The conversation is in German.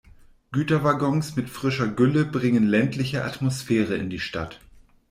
Güterwaggons mit frischer Gülle bringen ländliche Atmosphäre in die Stadt.